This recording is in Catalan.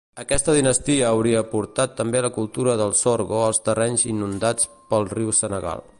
Aquesta dinastia hauria portat també la cultura del sorgo als terrenys inundats pel riu Senegal.